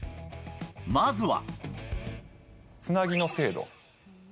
まずは。